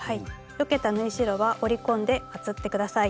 よけた縫い代は折り込んでまつって下さい。